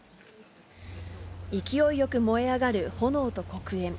勢いよく燃え上がる炎と黒煙。